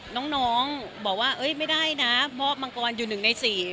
น้องบอกว่าเอ๊ยไม่ได้นะมอบมังกรรม์อยู่๑ใน๔